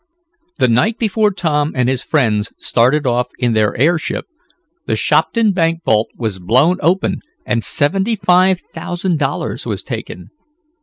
The night before Tom and his friends started off in their airship, the Shopton Bank vault was blown open and seventy five thousand dollars was taken.